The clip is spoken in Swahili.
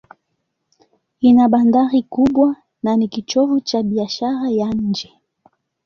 Ina bandari kubwa na ni kitovu cha biashara ya nje.